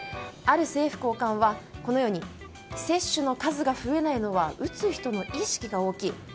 ある政府高官は接種の数が増えないのは打つ人の意識が大きい。